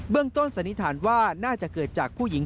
เบื้องต้นสนิทานว่าน่าจะเกิดจากผู้หญิง